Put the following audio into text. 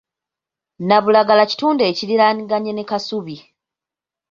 Nabulagala kitundu ekiriraaniganyene Kasubi.